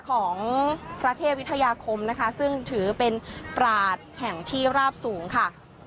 ของพระเทพวิทยาคมนะคะซึ่งถือเป็นตราดแห่งที่ราบสูงค่ะ